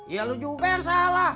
ya lu juga yang salah